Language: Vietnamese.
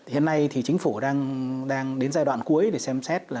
hiện nay thì chính phủ đang đến giai đoạn cuối để xem xét là